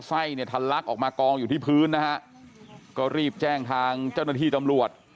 ไส้เนี่ยทันลักออกมากองอยู่ที่พื้นนะฮะก็รีบแจ้งทางเจ้าหน้าที่ตำรวจ